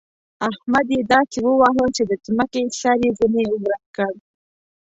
احمد يې داسې وواهه چې د ځمکې سر يې ځنې ورک کړ.